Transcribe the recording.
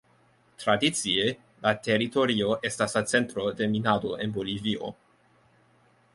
Tradicie la teritorio estas la centro de minado en Bolivio.